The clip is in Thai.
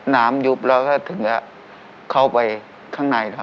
ก็เคยอยู่ประมาณสองสามวันน่ะครับ